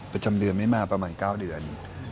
ประจำเดือนไม่มาประมาณ๙เดือน